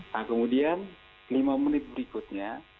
nah kemudian lima menit berikutnya